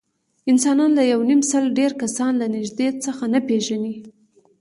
انسانان له یونیمسل ډېر کسان له نږدې څخه نه پېژني.